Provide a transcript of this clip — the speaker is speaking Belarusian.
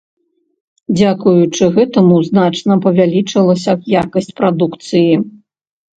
Дзякуючы гэтаму значна павялічылася якасць прадукцыі.